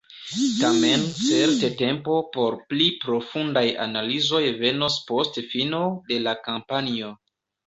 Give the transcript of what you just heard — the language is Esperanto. Tamen certe tempo por pli profundaj analizoj venos post fino de la kampanjo.